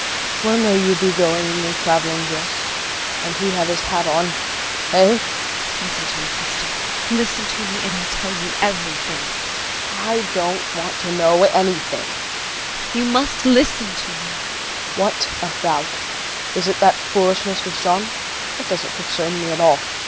Where may you be going in your traveling dress? and he had his hat on! Hey? JULIE. Listen to me, Kristin, listen to me and I'll tell you everything. KRISTIN. I don't want to know anything JULIE. You must listen to me KRISTIN. What about? Is it that foolishness with Jean? That doesn't concern me at all.